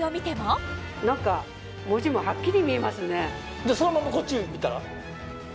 さらにそのままこっち見たら？